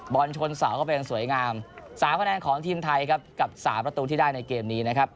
ชนเสาก็เป็นสวยงาม๓คะแนนของทีมไทยครับกับ๓ประตูที่ได้ในเกมนี้นะครับ